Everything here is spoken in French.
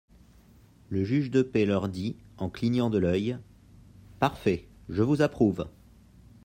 Le juge de paix leur dit, en clignant de l'oeil :, Parfait ! je vous approuve.